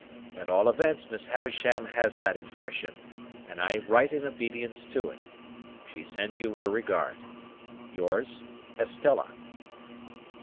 At all events Miss Havisham has that impression, and I write in obedience to it. She sends you her regard. "Yours, ESTELLA."